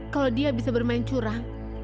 kalau dia bisa bermain curang